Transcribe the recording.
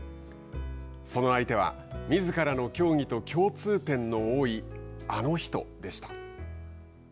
その相手はみずからの競技と共通点の多いあの人でした。